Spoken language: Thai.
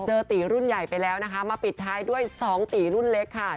ตีรุ่นใหญ่ไปแล้วนะคะมาปิดท้ายด้วย๒ตีรุ่นเล็กค่ะ